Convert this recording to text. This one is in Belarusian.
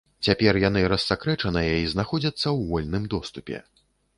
Цяпер яны рассакрэчаныя і знаходзяцца ў вольным доступе.